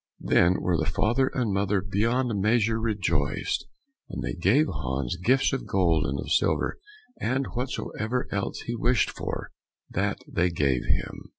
Then were the father and mother beyond measure rejoiced, and they gave Hans gifts of gold and of silver, and whatsoever else he wished for, that they gave him.